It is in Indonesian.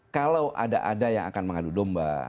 kalau ada ada yang akan mengadu domba